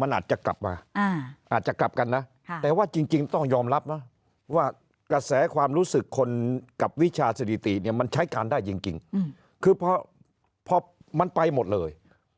มันใช้การได้จริงคือเพราะมันไปหมดเลย